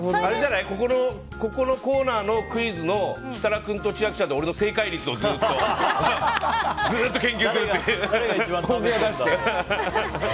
ここのコーナーのクイズの設楽君と千秋ちゃんの俺の正解率をずっと研究するっていう。